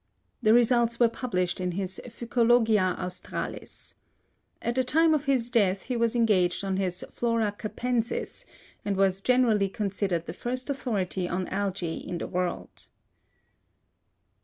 The results were published in his Phycologia Australis. At the time of his death he was engaged on his Flora Capensis, and was generally considered the first authority on algae in the world.